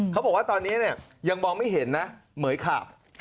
เขาบอกว่าตอนนี้เนี่ยยังมองไม่เห็นนะเหมือยขาบ